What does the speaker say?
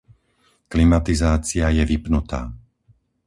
Klimatizácia je vypnutá.